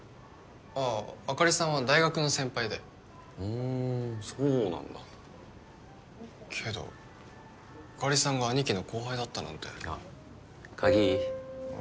あああかりさんは大学の先輩でふんそうなんだけどあかりさんが兄貴の後輩だったなんてあっ鍵いい？